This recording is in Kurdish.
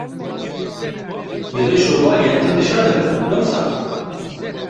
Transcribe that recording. Divê Şovalye tim di şer de bin, ne wisa?